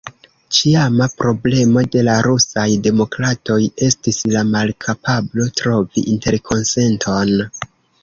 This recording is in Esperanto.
Ĉiama problemo de la rusaj demokratoj estis la malkapablo trovi interkonsenton.